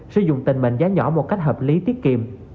sử dụng tình mệnh giá nhỏ một cách hợp lý tiết kiệm